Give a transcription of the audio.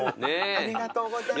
ありがとうございます。